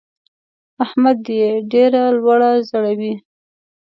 احمد يې ډېره لوړه ځړوي.